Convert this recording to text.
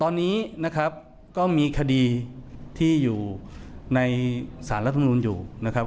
ตอนนี้นะครับก็มีคดีที่อยู่ในสารรัฐมนุนอยู่นะครับ